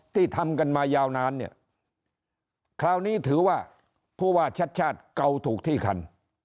ที่ทำกันมายาวนานเนี่ยเขาถือว่าชาติเก่าถูกที่คัน